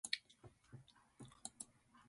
佐賀県神埼市